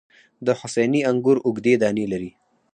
د حسیني انګور اوږدې دانې لري.